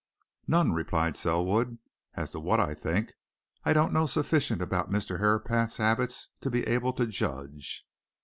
"None," replied Selwood. "And as to what I think, I don't know sufficient about Mr. Herapath's habits to be able to judge."